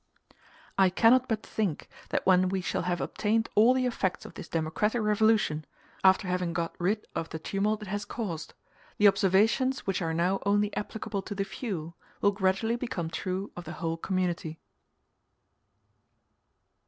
I cannot but think that when we shall have obtained all the effects of this democratic Revolution, after having got rid of the tumult it has caused, the observations which are now only applicable to the few will gradually become true of the whole community.